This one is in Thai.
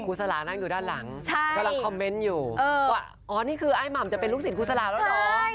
สลานั่งอยู่ด้านหลังกำลังคอมเมนต์อยู่ว่าอ๋อนี่คือไอ้หม่ำจะเป็นลูกศิษย์ครูสลาแล้วเหรอ